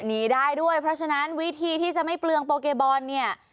หนีได้ด้วยเพราะฉะนั้นวิธีที่จะไม่เปลืองโปเกบอลเนี่ย